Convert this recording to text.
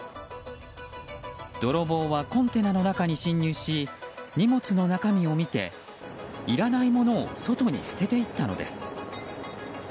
泥棒はコンテナの中に侵入し荷物の中身を見ていらないものを外に捨てていったのです。